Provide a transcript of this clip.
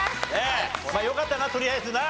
よかったなとりあえずな。